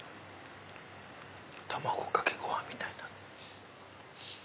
卵かけご飯みたいになる。